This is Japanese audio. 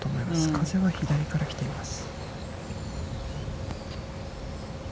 風は左から来てます。